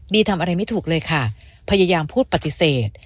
ทำอะไรไม่ถูกเลยค่ะพยายามพูดปฏิเสธ